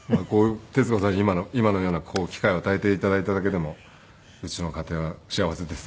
徹子さんに今のような機会を与えて頂いただけでもうちの家庭は幸せです。